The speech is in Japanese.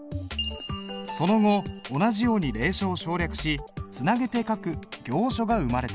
その後同じように隷書を省略しつなげて書く行書が生まれた。